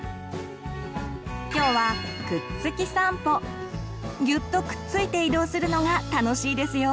今日はぎゅっとくっついて移動するのが楽しいですよ。